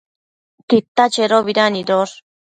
Tita chedobida nidosh?